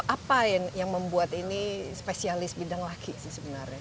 apa yang membuat ini spesialis bidang laki sih sebenarnya